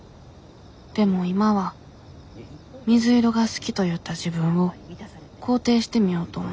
でも今は水色が好きと言った自分を肯定してみようと思う。